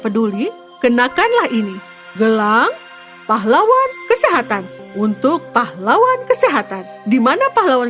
peduli kenakanlah ini gelang pahlawan kesehatan untuk pahlawan kesehatan dimana pahlawan